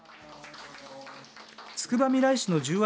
つくばみらい市の十和